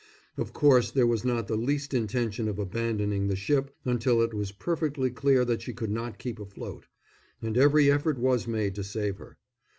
Of course there was not the least intention of abandoning the ship until it was perfectly clear that she could not keep afloat, and every effort was made to save her.